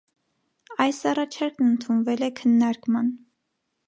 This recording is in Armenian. Այս առաջարկն ընդունվել է քննարկման։